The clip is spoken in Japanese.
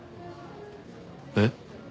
えっ？